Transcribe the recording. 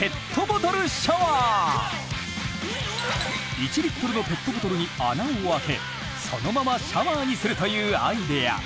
１リットルのペットボトルに穴を開けそのままシャワーにするというアイデア。